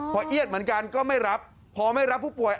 พอเอียดเหมือนกันก็ไม่รับพอไม่รับผู้ป่วย